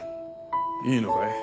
いいのかい？